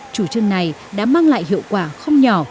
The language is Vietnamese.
chủ trương này đã mang lại hiệu quả không nhỏ